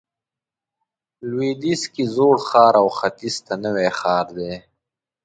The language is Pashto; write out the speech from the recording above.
لویدیځ کې زوړ ښار او ختیځ ته نوی ښار دی.